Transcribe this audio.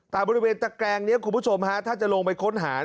แต่บริเวณตะแกรงนี้คุณผู้ชมฮะถ้าจะลงไปค้นหา